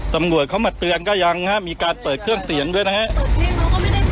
ตำรวจเขามาเตือนก็ยังฮะมีการเปิดเครื่องเสียงด้วยนะครับ